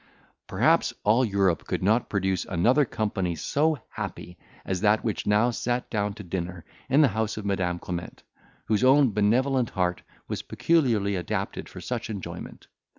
Perhaps all Europe could not produce another company so happy as that which now sat down to dinner in the house of Madam Clement, whose own benevolent heart was peculiarly adapted for such enjoyment.